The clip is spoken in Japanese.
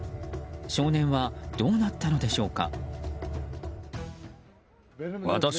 少年はどうなったのでしょうか。